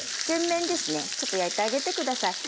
ちょっと焼いてあげて下さい。